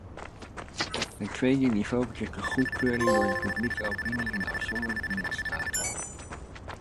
Het tweede niveau betreft de goedkeuring door de publieke opinie in de afzonderlijke lidstaten.